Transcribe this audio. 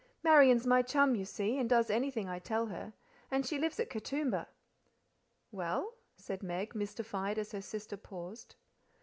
"Marian's my chum, you see, and does anything I tell her. And she lives at Katoomba." "Well?" said Meg, mystified, as her sister paused.